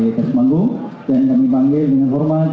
atas panggung dan kami panggil dengan hormat